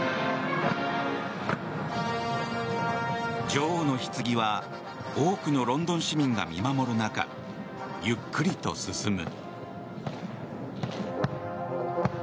女王のひつぎは多くのロンドン市民が見守る中ゆっくりと進む。